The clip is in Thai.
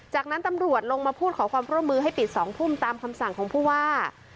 จากนั้นตำรวจลงมาพูดขอความร่วมมือให้ปิด๒ทุ่มตามคำสั่งของผู้ว่า